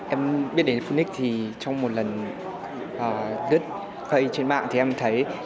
em biết đến phunix thì trong một lần đứt ke trên mạng thì em thấy